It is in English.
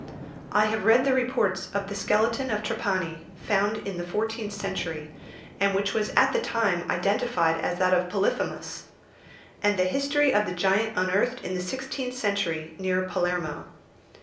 I have read the reports of the skeleton of Trapani, found in the fourteenth century, and which was at the time identified as that of Polyphemus; and the history of the giant unearthed in the sixteenth century near Palermo.